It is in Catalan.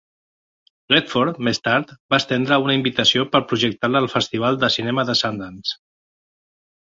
Redford més tard va estendre una invitació per projectar-la al Festival de Cinema de Sundance.